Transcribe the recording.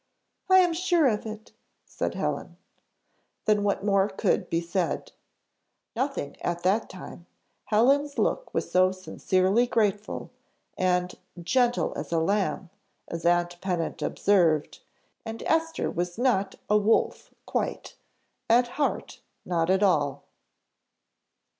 "I am sure of it," said Helen. Then what more could be said? Nothing at that time Helen's look was so sincerely grateful, and "gentle as a lamb," as aunt Pennant observed; and Esther was not a wolf quite at heart not at all.